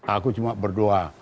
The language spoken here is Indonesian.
aku cuma berdoa